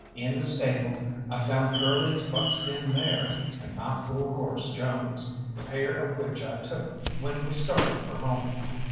In the stable I found Curly's buckskin mare and my fool horse Jones, the pair of which I took when we started for home.